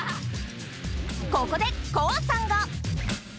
ここでＫＯＯさんが。